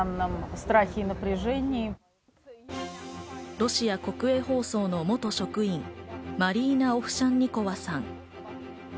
ロシア国営放送の元職員、マリーナ・オフシャンニコワさん。